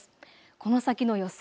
この先の予想